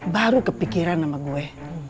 baru kepikiran sama gue